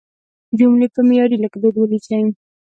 جملې په معیاري لیکدود ولیکئ.